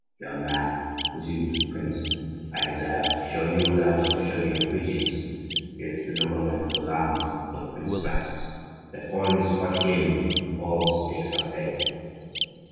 "Young man," resumed the prince, "I desire to show you that if Chaudieu preaches, if the nobleman goes armed, the prince fights. Therefore, in this hot game all stakes are played."